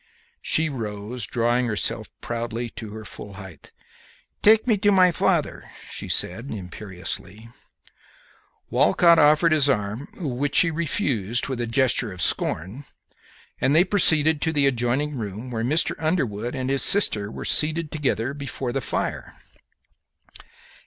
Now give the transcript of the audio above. She rose, drawing herself proudly to her full height. "Take me to my father," she said, imperiously. Walcott offered his arm, which she refused with a gesture of scorn, and they proceeded to the adjoining room, where Mr. Underwood and his sister were seated together before the fire.